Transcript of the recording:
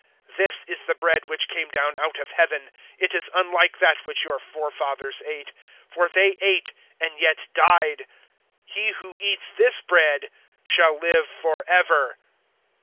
006:058 This is the bread which came down out of Heaven; it is unlike that which your forefathers ate for they ate and yet died. He who eats this bread shall live for ever."